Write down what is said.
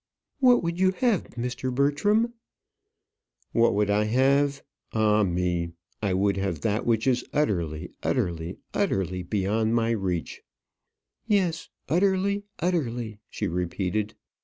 "What would you have, Mr. Bertram?" "What would I have? Ah, me! I would have that which is utterly utterly utterly beyond my reach." "Yes, utterly utterly," she repeated.